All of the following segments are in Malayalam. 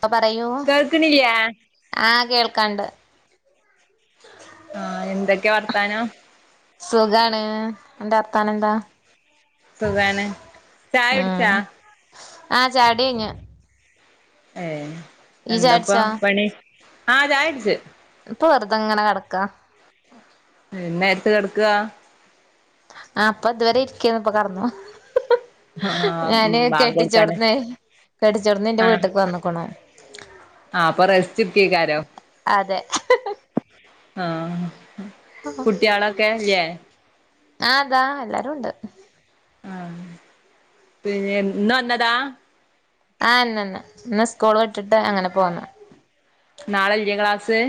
പ്പൊ പറയൂ കേൾക്കണില്ലേ ആ കേൾക്കാണ്ട്. ആഹ് എന്തൊക്കെ വർത്താനം? സുഖാണ്. അന്റെ വർത്താന എന്താ? സുഖാണ് ചായ കുട്ച്ചാ ആ ചായുടി കയ്ഞ്ഞ് ഏ എന്താപ്പ പണി ആ ചായട്ച് ഇപ്പൊ വെർതെങ്ങനെ കെടക്കാ എന്നായെട്ത്ത് കെട്ക്കാ ആ പ്പൊ ത് വരെ ഇരിക്കേന്നു ഇപ്പൊ കടന്നു ആഹ് ഞാന് ബാങ്ക് കൊടുക്കാന് കെട്ടിച്ചോട്ത്ത്ന്നെ കെട്ടിച്ചോട്ത്ത്ന്ന് ഇന്റെ ആഹ് വീട്ട്ക്ക് വന്ന്ക്ക്ണു ആഹ് അപ്പൊ റെസ്റ്റ് എടുക്കേക്കാരോ അതെ ആ കുട്ട്യാളൊക്കെ ല്യേ ആ ദാ എല്ലാരുണ്ട് ആ പിന്നെ ഇന്നു വന്നതാ? ആ ഇന്നന്നെ ഇന്ന് സ്കൂൾ വിട്ട്ട്ട് അങ്ങനെ പോന്നാ നാളെല്ലെ ക്ലാസ്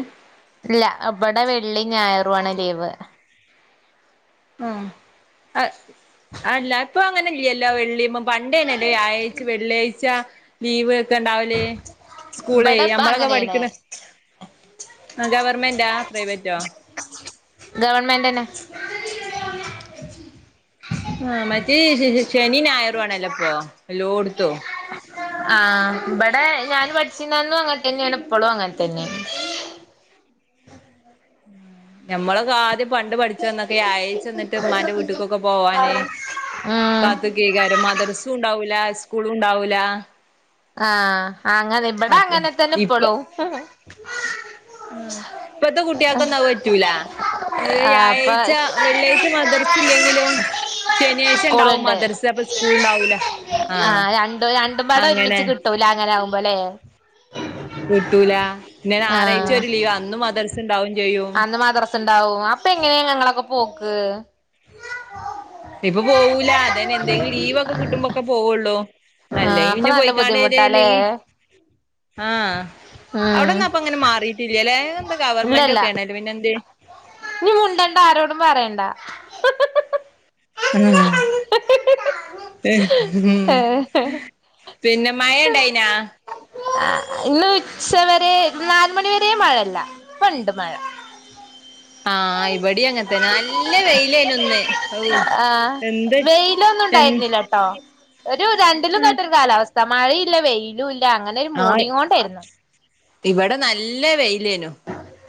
ഇല്ല ഇബടെ വെള്ളിം ഞായറു ആണ് ലീവ് ഉം അഹ് അല്ല ഇപ്പൊ അങ്ങനെല്ല്യല്ലോ വെള്ളിമ പണ്ടേന്യെലേ വ്യായായ്ച്ച് വെള്ള്യായ്ച ലീവ് ക്കെണ്ടാവല് സ്കൂളേ ഇബടെ ഇപ്പ ഞമ്മളൊക്കെ അങ്ങനേണ് പഠിക്ക്ണ അ ഗവർമെന്റാ പ്രൈവറ്റോ? ഗവൺമെന്റ് തന്നെ. ആ മറ്റേ ശ ശനി ഞായറുമാണല്ലെ ഇപ്പൊ എല്ലോടുത്തും. ആ ഇബെടെ ഞാൻ പഠിച്ചിന്നന്നും അങ്ങെനെ ത്തന്നെയാണ് ഇപ്പളും അങ്ങെനെ ത്തന്നെയാണ്. ഞമ്മളൊക്കെ ആദ്യം പണ്ട് പഠിച്ചന്നൊക്കെ അയച്ചന്നിട്ട് ഉമ്മാന്റെ വീട്ടിക്കൊക്കെ പോവാന് ഉം കാത്തു [unintelligible] മ ദ്രസുണ്ടാവില്ല സ് സ്കൂളുണ്ടാവൂല. ആ അങ്ങനെ ഇബടെ അങ്ങനെ ത്തന്നെ ഇപ്പളും. ആ ഇപ്പത്തെ കുട്ടികക്കൊന്നും അത് പറ്റൂല ഏഹ് ആഹ് അപ്പൊ വ്യാഴാഴ്ച്ച, വെള്ളിയാഴ്ച മദ്രസ് ഇല്ലെങ്കിലും ശനിയാഴ്ച ഉണ്ടാവും സ്കൂളുണ്ട് മദ്രസേ അപ്പ സ്കൂളുണ്ടാവൂല ആ ആഹ് രണ്ടും രണ്ടുംപാടെ അങ്ങനെ. [unintelligible] അങ്ങനെ ആകുമ്പലേ? കിട്ടൂല പിന്ന ഞാറാഴ്ച്ച ആഹ് ഒരു ലീവ അന്ന് മദ്രസ ഉണ്ടാവും ചെയ് അന്ന് മദ്രസ ണ്ടാവും അപ്പെങ്ങനെയാ ഞങ്ങളൊക്കെ പോക്ക് ഇപ്പൊ പോവൂല അതേന് എന്തെലും ലീവൊക്കെ കിട്ടുമ്പോക്കെ പോവുള്ളൂ ആഹ് അല്ലേയ് അപ്പൊ പിന്നെ നല്ല പോയികാണേല്ലേനി ബുദ്ധിമുട്ടാല്ലേ ആഹ് ഉം അവിടൊന്നും അപ്പൊ അങ്ങനെ മാറിട്ടില്ലലേ എന്ത‌ ഗവർമെന്റ് ഇല്ലല്ല ഒക്കെ ആണല്ലേ പിന്നെ എന്തേ ഇനി മുണ്ടണ്ട ആരോടും പറയണ്ട [unintelligible] മ് ഏഹ് പിന്നെ മഴ ഇണ്ടായിനാ ഇന്ന് ഉച്ചവരെ നാല് മണിവരെ മഴല്ല ഇപ്പണ്ട് മഴ ആഹ് ഇവിടെ അങ്ങെൻതന്നെ നല്ല വെയിലാനു ആ ഇന്ന്. വെയിലൊന്നും ഉണ്ടായിരുന്നില്ലട്ടോ ഒരു രണ്ടിലും കെട്ടൊരു [unintelligible] കാലാവസ്ഥ മഴയില്ല വെയിലുല് ല്ല അങ്ങനെ ഒരു മൂഡി കൊണ്ടെയിരുന്നു. ഇവിടെ നല്ല വെയ് ലേയ്നു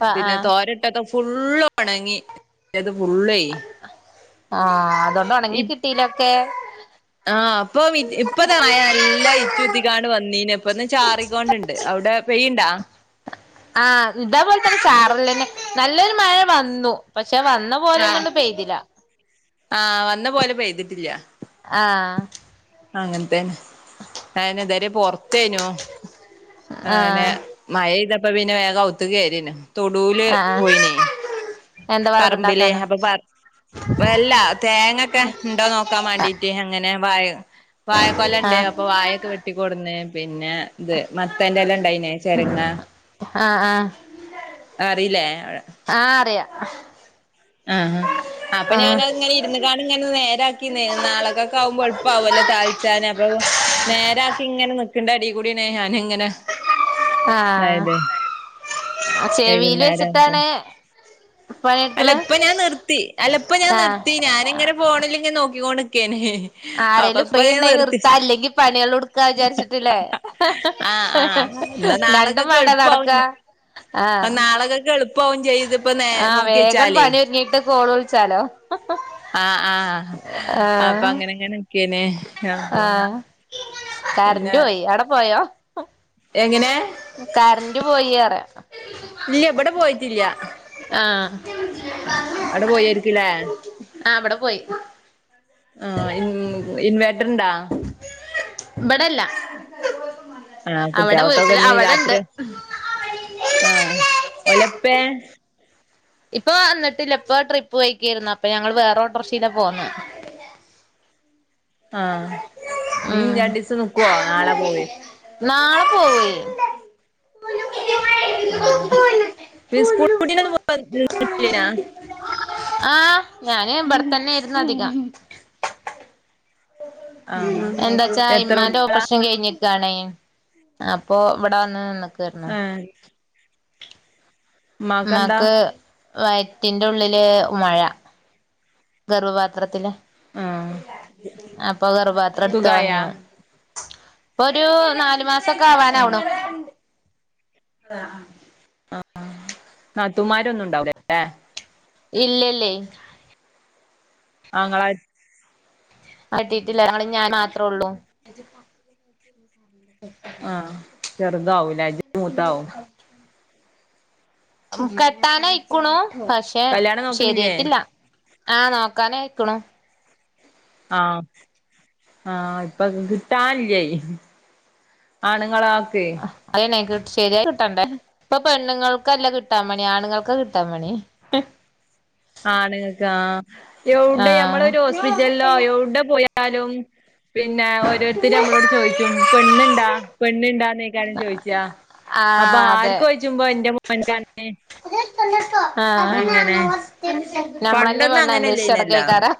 ആ ആ പിന്നെ തോരിട്ടതും ഫുള്ളോണങ്ങി [unintelligible] ഉള്ളെ ആഹ് അതൊണ്ട് ഒണങ്ങി കിട്ടയിലൊ കെ ആഹ് അപ്പം ഇപ്പത നല്ല ഇച്ചുത്തിക്കാണ്ട് വന്നീനെ ഇപ്പൊന്ന് ചാറിക്കോണ്ടിണ്ട് അവിടെ പെയുണ്ടാ ആഹ് ഇതേപോലെ തന്നെ സാറലന്നെ നല്ലൊരു മഴ വന്നു പക്ഷെ വന്ന പോലെന്ന ആഹ് കൊണ്ട് പെയ്തില്ല ആഹ് വന്ന പോലെ പെയ്തിട്ടില്ല ആ അങ്ങൻത്തന്നെ അയ്ന ഇതരീം പൊർത് ത്തേനോ ആ ആനെ മഴയ്തപ് അപ്പ പിന്നെ വേഗ അകത്തുകയറിയെനു തൊടൂല ആ ആ പോയിനേ എന്താ പറമ്പില് വറകുണ്ടാക്കാനോ അപ്പൊ വല്ല തേങ്ങൊക്കെ ഉണ്ടോ നോക്കാൻ ആ വേണ്ടീട്ട് അങ്ങനെ വാഴ് വാഴക്കൊല ഇണ്ട് ആ അപ്പോ വാഴക്കെ വെട്ടിക്കൊട്ന്ന് പിന്നെ ഇത് മത്തേന്റെലണ്ടേയ്നെ ചെരങ്ങ ആ ആ അറീല്ലേ ആഹ ആഹ് ഹ അപ്പം ഞാനത്ങ്ങനെ ഇരുന്ന്കാണ്ട് ഇങ്ങനെ നേരാക്കി നാളെക്കൊക്കെ ആകുമ്പോൾ എളുപ്പാവല്ലോ താൾച്ചാന് അപ്പം നേരാക്കി ഇങ്ങനെ നിക്ക്ണ്ടേടി കൂട്യേണ് ഞാന് ങ്ങ ആ ചെവീല് വൈകുന്നേരം ആവുമ്പോ വെച്ചിട്ടാണ് അല്ല പണിയെടുക്കണെ ഇപ്പ ഞാൻ നിർത്തി അല്ല ഇപ്പ ഞാൻ ആഹ് നിർത്തി ഞാനിങ്ങനെ ഫോണിലിങ്ങെ നോക്കിക്കോൻ ക്കേന് ആരെലും ഫ്രീ ഉണ്ടയി നിർത്താൻ അല്ലെങ്കി പണികളുടുക്കാ വിചാരിച്ചിട്ട്ല്ലേ ആഹ് ആഹ് എന്നാ രണ്ടും മാണ്ടെ നട്ക്കാ ആ നാളകൊക്കെ എളുപ്പാവും ചെയയും ഇതിപ്പ നോക്കിയേച്ചാലേ ഫോൺ വിളിച്ചാലോ ആഹ് ആഹ് ആ അപ്പൊ ആഹ് അങ്ങനെങ്ങനെ ക്ക്യേനെ ആഹ് പിന്നെ കാരൻ്റോയി അവിടെ പോയോ എങ്ങനെ ൻ്റ് പോയി യറ്യ ഇല്ല ഇവിടെ പോയിട്ടില്ല ആഹ് അടെ പോയാരിക്കില്ലേ ആ ഇവിട പോയി ആഹ് ഇൻവേ ട്ടർ ണ്ടാ ഇബ്ടല്ല ആഹ് കുട്ടികൾക്കൊക്കെ ഇഞ്ഞ് രാത്രി ആഹ് ഓലപ്പേ ഇപ്പ വന്നിട്ടില്ല ഇപ്പൊ ട്രിപ്പ് പോയിക്കായിരുന്നു അപ്പൊ ഞങ്ങള് വേറോ ഓട്ടോറിഷീലാ പോന്നേ ആഹ് നീ രണ്ടിസം നിക്കുവോ നാളെ പോവേ നാള പോവേ ആ ഉസ്കൂൾ പൂട്ടിനൊന്നും വന്നില്ല ന്യോ ആഹ് ഞാന് ഇവിടെത്തന്നെയിരുന്നു അധികം ആഹ് എന്താച്ചാ എത്ര ഇമ്മാന്റെ കുട്ടികളാ ഓപ്പറേഷൻ കഴിഞ്ഞിക്കാണേ അപ്പൊ ഇവിടവന്ന് ന്ന് ആഹ് ഇമ്മാ കെന്താ വയറ്റിറ്റുള്ളില് മൊഴ ഗർഭപാത്രത്തിലാ ആഹ് അപ്പോ ഗർഭപാത്രം സുഖായാ ഇട്ത്തളഞ്ഞു ഇപ്പോ ഒരു നാല്മാസ സൊക്കെ ആഹ് ആവാനാവ്ണു ന്താ നാത്തൂൻമാരൊന്നും ഇണ്ടാവൂലല്ലേ ഇല്ല ല്ലേ ആങ്ങളാര് കെട്ടീട്ടില്ല ഞങ്ങള് ഞാൻ മാത്ര് ത്രോള്ളൂ ആഹ് ചെറുതാവൂല്ലാരി ഇന്നിവിടെ കളിക്കുന്നുണ്ട് കെട്ടാനായിക്കുണു പക്ഷെ കല്യാണം നോക്കണില്ലേ ശരിയായിട്ടില്ല ആ നോക്കാനായിക്കണു ആഹ് ആഹ് ഇപ്പം കിട്ടാനില്ലേ ആണുങ്ങള- അഹ് അയന്നെ കി ശരിയായി കിട്ടണ്ടേ ഇപ്പൊ പെണ്ണുങ്ങൾക്കല്ല കിട്ടുക മണി ആണുങ്ങൾക്കാ കിട്ടാ മണി എ ആണുങ്ങക്ക് ആ എവിടെ ആഹ് ഞമ്മളൊരു ഹോസ്പിറ്റലിലോ എവിടെ പോയാലും പിന്നെ ഓരോരുത്തരും അമ്മളോട് ചോദിച്ചും പെണ്ണുണ്ടാ- പെണ്ണുണ്ടാണ് നീ ഈ കാര്യം ചോദിച്ചാ അപ്പോ ആഹ് അതെ ആർക്ക് ചോയ്ച്ചുമ്പോ ഇൻ്റെ മോൻക്കാ പർഞ്ഞ് ആഹ് നമ്മളന്നെ പണ്ടൊന്നും വേണം അന്വേഷിച്ച് നടകയ്യ്ക്കാരം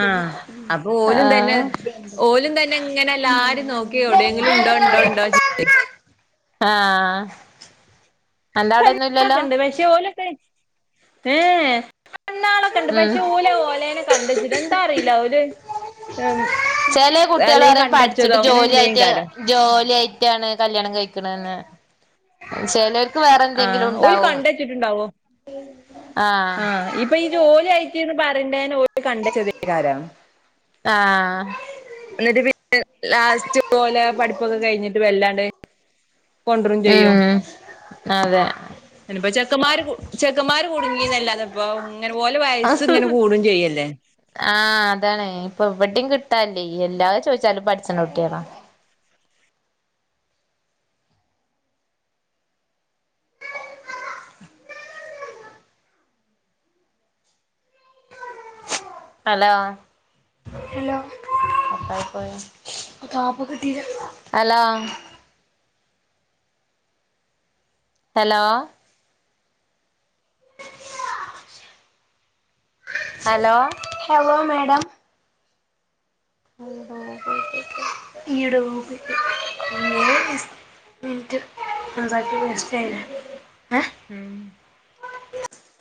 ആഹ അപ്പൊ ഓലും തന്നെ ഓലും തന്നെ ഇങ്ങനെ എല്ലാരും നോക്കിഎവിടെയെങ്കിലും ഉണ്ടോ ഉണ്ടോ ഉണ്ടോന്ന് ചോയി ആ പെണ്ണുങ്ങളൊക്കെ ഉണ്ട് പക്ഷേ ഓലൊക്കെ ഏ പന്നാളൊക്കെണ്ട് ഉം പക്ഷെ ഓലെ ഓലേനെ കണ്ടച്ചിട്ട എന്താ അറിയില്ല ഓല് ചെല കുട്ടികള് അല്ലെങ്കി പറയും കണ്ടച്ചതോ പഠിച്ചിട്ട് അങ്ങനെ ജോലിയായിട്ട് എന്തേയ്ക്കാരം ജോലിയായിട്ടാണ് കല്യാണം കഴിക്കണ്ന്ന് ചെലർ ആഹ് ഒല് കണ്ട്വെച്ചിട്ടുണ്ടാവും ആഹ് ഇപ്പൊ ഈ ജോലിയായിട്ട് [unintelligible] ഇത് കണ്ട് ആഹ് [unintelligible] എന്നിട്ട് പിന്നെ ലാസ്റ്റ് ഒലെ പഠിപ്പൊക്കെ കഴിഞ്ഞിട്ട് വല്ലാണ്ട് കൊണ്ടറും ചെയ്യും ഉം അതെ ഇനിപ്പ ചെക്കന്മാര് ചെക്കന്മാര് കുടുങ്ങിയതല്ലാ അപ്പോ ഇങ്ങനെ ഒലെ വയസ്സ് ആഹ് ഇങ്ങനെ കൂടെയും ചെയ്യല്ലേ എവിടെയും കിട്ടാനില്ലേ എല്ലാം ചോയിച്ചാലും പഠിച്ചണ കുട്ടിയോളാ ഹലോ കട്ടായിപ്പോയാ ഹലോ ഹലോ ഹലോ [unintelligible]